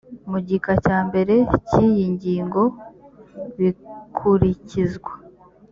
mu gika cya mbere cy iyi ngingo bikurikizwa